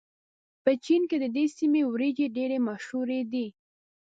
په چين کې د دې سيمې وريجې ډېرې مشهورې دي.